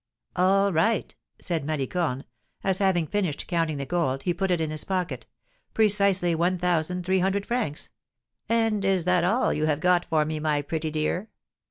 "All right," said Malicorne, as, having finished counting the gold, he put it in his pocket; "precisely one thousand three hundred francs. And is that all you have got for me, my pretty dear?"